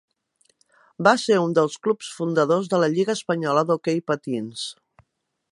Va ser un dels clubs fundadors de la Lliga espanyola d'hoquei patins.